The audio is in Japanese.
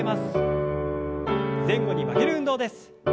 前後に曲げる運動です。